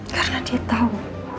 karena dia tahu